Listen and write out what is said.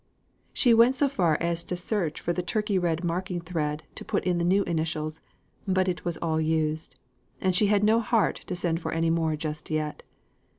She went so far as to search for the Turkey red marking thread to put in the new initials; but it was all used, and she had no heart to send for any more just yet.